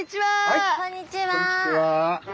はいこんにちは。